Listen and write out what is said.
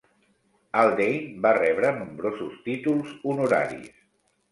Haldane va rebre nombrosos títols honoraris.